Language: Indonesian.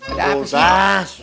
ada apa sih